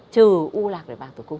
trừ u lạc để bạc tử cung